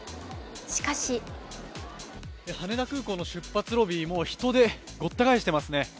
しかし羽田空港の出発ロビーも人でごった返していますね。